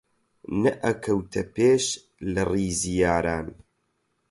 نەئەکەوتە پێش لە ڕیزی یاران